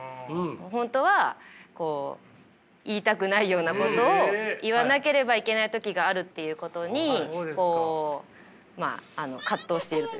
本当は言いたくないようなことを言わなければいけない時があるっていうことに葛藤しているというか。